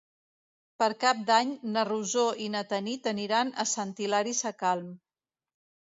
Per Cap d'Any na Rosó i na Tanit aniran a Sant Hilari Sacalm.